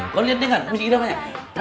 kau lihat deh kan musiknya namanya